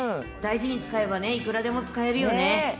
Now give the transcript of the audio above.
大事に使えば、いくらでも使えるよね。